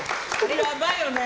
やばいよね。